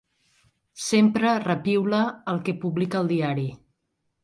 Sempre repiula el que publica el diari.